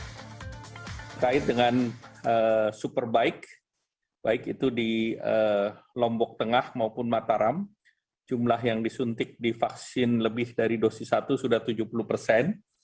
terkait dengan superbike baik itu di lombok tengah maupun mataram jumlah yang disuntik di vaksin lebih dari dosis satu sudah tujuh puluh persen